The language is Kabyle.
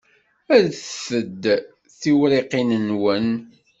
Rret-d tiwriqin-nwen.